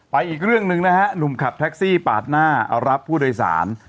อีกเรื่องหนึ่งนะฮะหนุ่มขับแท็กซี่ปาดหน้ารับผู้โดยสาร